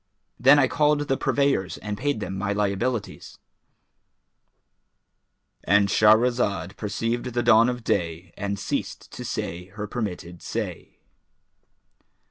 Then I called the purveyors and paid them my liabilities"—And Shahrazad perceived the dawn of day and ceased to say her permitted say.